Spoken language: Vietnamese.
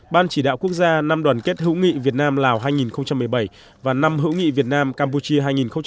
ban chỉ đạo quốc gia năm đoàn kết hữu nghị việt nam lào hai nghìn một mươi bảy và năm hữu nghị việt nam campuchia hai nghìn một mươi tám